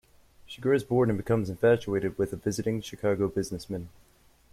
She grows bored and becomes infatuated with a visiting Chicago businessman.